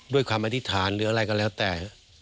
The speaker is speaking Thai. ความอธิษฐานหรืออะไรก็แล้วแต่